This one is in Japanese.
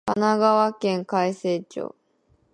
神奈川県開成町